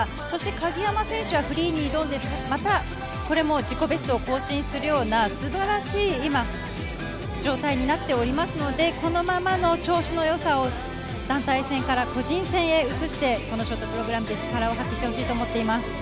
そして鍵山選手は、フリーに挑んで、またこれも自己ベストを更新するような素晴らしい状態になっておりますので、このままの調子の良さを団体戦から個人戦へ移して、このショートプログラムで力を発揮してほしいと思います。